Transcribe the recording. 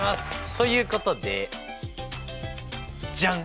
ということでジャン！